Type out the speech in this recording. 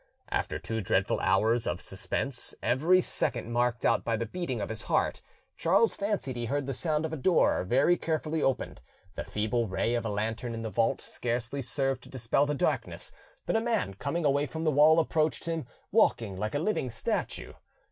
After two dreadful hours of suspense, every second marked out by the beating of his heart, Charles fancied he heard the sound of a door very carefully opened; the feeble ray of a lantern in the vault scarcely served to dispel the darkness, but a man coming away from the wall approached him walking like a living statue.